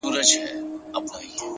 هغه خو زما کره په شپه راغلې نه ده’